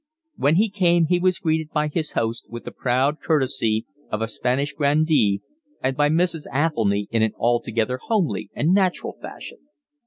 When he came he was greeted by his host with the proud courtesy of a Spanish grandee and by Mrs. Athelny in an altogether homely and natural fashion.